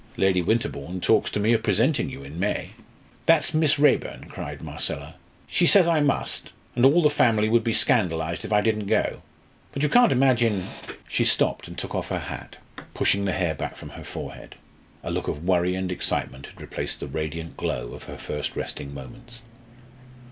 Lady Winterbourne talks to me of presenting you in May." "That's Miss Raeburn," cried Marcella. "She says I must, and all the family would be scandalised if I didn't go. But you can't imagine " She stopped and took off her hat, pushing the hair back from her forehead. A look of worry and excitement had replaced the radiant glow of her first resting moments.